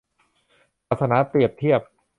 ศาสนาเปรียบเทียบ